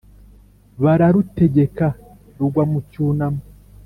bararutegeka, rugwa mu cyunamo,